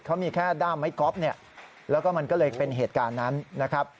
เขามีแค่ด้ามไม้ก๊อฟเนี่ยแล้วก็มันก็เลยเป็นเหตุการณ์นั้นนะครับ